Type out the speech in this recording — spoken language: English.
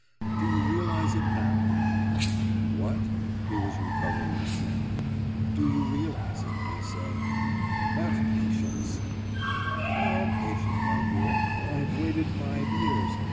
»Do you realise it now?« »What?« He was recovering himself. »Do you realise it, I say?« »Have patience!« »I am patient, my dear. I have waited five years.